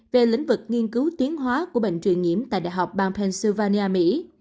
về lĩnh vực nghiên cứu tuyến hóa của bệnh truyền nhiễm tại đại học bang pennsylvania mỹ